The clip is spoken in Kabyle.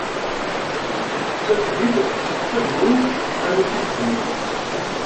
Tessaked-it seg tṣegnint armi d tifednin.